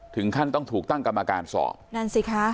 ถึงขั้นต้องถูกตั้งกรรมการสอบนั่นสิคะ